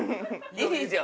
いいじゃん！